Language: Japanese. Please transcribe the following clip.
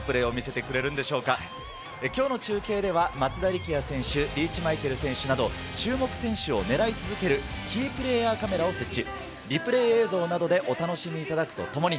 今日の中継では、松田力也選手、リーチ・マイケル選手など、注目選手を狙い続けるキープレイヤーカメラを設置。